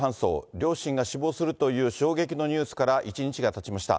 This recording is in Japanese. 両親が死亡するという衝撃のニュースから１日がたちました。